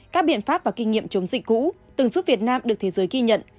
các biện pháp và kinh nghiệm chống dịch cũ từng giúp việt nam được thế giới ghi nhận